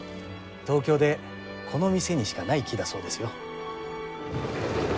東京でこの店にしかない木だそうですよ。